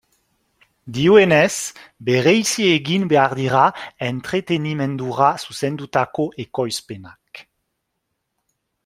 Dioenez, bereizi egin behar dira entretenimendura zuzendutako ekoizpenak.